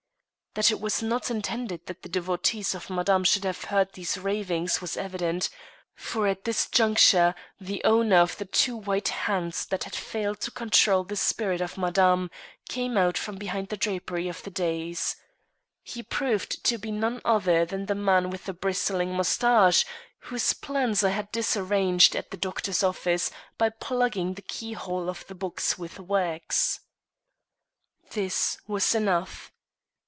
That it was not intended that the devotees of Madame should have heard these ravings was evident; for at this juncture the owner of the two white hands that had failed to control the spirit of Madame came out from behind the drapery of the dais. He proved to be none other than the man with the bristling mustache whose plans I had disarranged at the doctor's office by plugging the keyhole of the box with wax. This was enough.